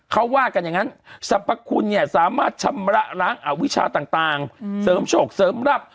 เขาว่ากันอย่างนั้นสรรพคุณเนี่ยสามารถชำระล้างอวิชาต่างเสริมโชคเสริมรับ